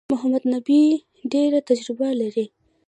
محمد نبي ډېره تجربه لري.